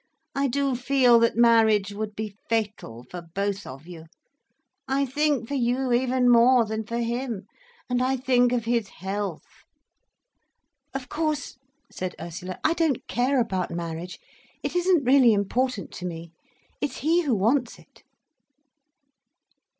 I do feel that marriage would be fatal, for both of you. I think for you even more than for him—and I think of his health—" "Of course," said Ursula, "I don't care about marriage—it isn't really important to me—it's he who wants it."